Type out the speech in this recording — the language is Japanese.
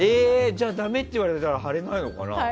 じゃあ、ダメって言われたら貼れないのかな。